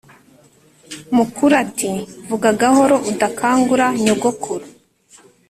mukuru ati" vuga gahoro udakangura nyogokuru